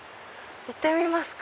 行ってみますか。